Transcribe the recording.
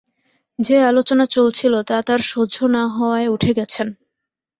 যে আলোচনা চলছিল, তা তাঁর সহ্য না হওয়ায় উঠে গেছেন।